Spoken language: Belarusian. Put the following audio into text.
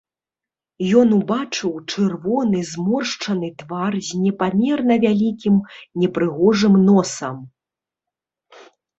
Ён убачыў чырвоны зморшчаны твар з непамерна вялікім непрыгожым носам.